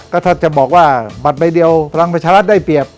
ก็ถ้าจะบอกว่าบัตรใบเดียวพลังประชารัฐได้เปรียบ